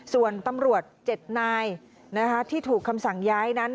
ส่วนตำรวจ๗นายที่ถูกคำสั่งย้ายนั้น